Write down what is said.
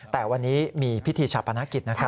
แต่วันนี้มีพิธีชาปนกิจนะครับ